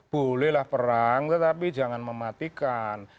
bolehlah perang tetapi jangan mematikan